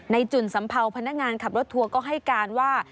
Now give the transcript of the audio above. จุ่นสัมเภาพนักงานขับรถทัวร์ก็ให้การว่า